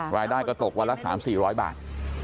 รายได้ก็ตกวันละ๓๔๐๐บาท